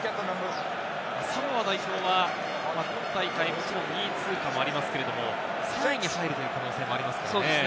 サモア代表は今大会、２位通過もありますけれども、３位に入るという可能性もありますからね。